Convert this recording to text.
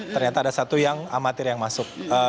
ternyata ada satu yang amatir yang masuk